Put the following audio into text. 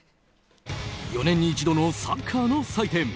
４年に一度のサッカーの祭典ＦＩＦＡ